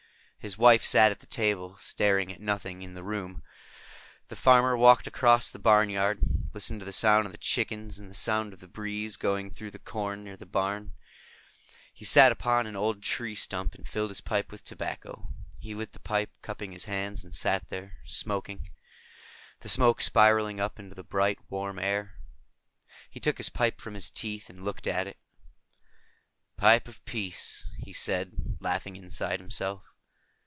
His wife sat at the table, staring at nothing in the room. The farmer walked across the barnyard, listening to the sound of the chickens and the sound of the breeze going through the corn. Near the barn, he sat upon an old tree stump and filled his pipe with tobacco. He lit the pipe, cupping his hands, and sat there, smoking, the smoke spiraling up into the bright warm air. He took his pipe from his teeth and looked at it. "Pipe of peace," he said, laughing inside himself.